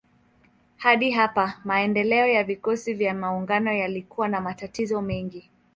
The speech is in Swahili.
Hadi hapa maendeleo ya vikosi vya maungano yalikuwa na matatizo mengi.